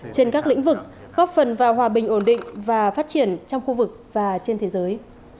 trên các lĩnh vực góp phần vào hòa bình ổn định và phát triển trong khu vực và trên thế giới